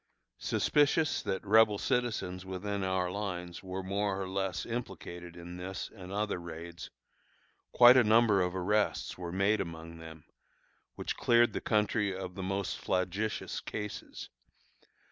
Suspicious that Rebel citizens within our lines were more or less implicated in this and other raids, quite a number of arrests were made among them, which cleared the country of the most flagitious cases.